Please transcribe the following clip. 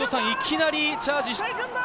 いきなりチャージ。